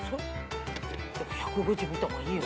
１５０見た方がいいよね。